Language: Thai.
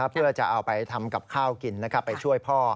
เพื่อจะเอาไปทำกับข้าวกินไปช่วยพ่อ